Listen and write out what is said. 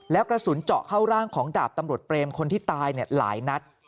แล้วกระสุนเจาะเข้าร่างของดาบตำรวจเปรมคนที่ตายหลายนัด